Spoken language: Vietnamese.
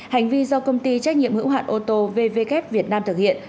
hành vi do công ty trách nhiệm hữu hạn ô tô vvk việt nam thực hiện